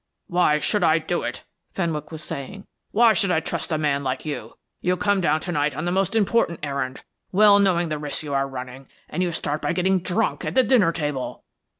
"Why should I do it?" Fenwick was saying. "Why should I trust a man like you? You come down to night on the most important errand, well knowing the risks you are running, and you start by getting drunk at the dinner table."